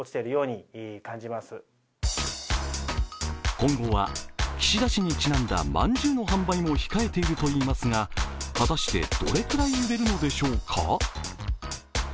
今後は、岸田氏にちなんだまんじゅうの販売も控えているといいますが、果たしてどれくらい売れるのでしょうか。